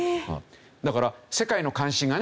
だから世界の関心がね